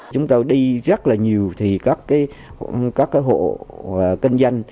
chúng tôi đi rất là nhiều thì các cái hộ kinh doanh